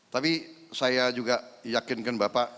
tapi saya juga yakinkan bapak